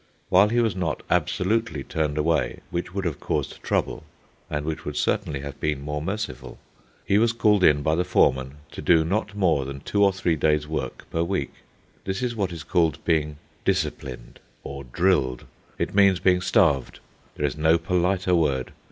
While he was not absolutely turned away (which would have caused trouble, and which would certainly have been more merciful), he was called in by the foreman to do not more than two or three days' work per week. This is what is called being "disciplined," or "drilled." It means being starved. There is no politer word.